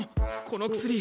この薬